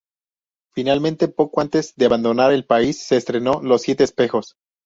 Finalmente, poco antes de abandonar el país, se estrenó "Los siete espejos".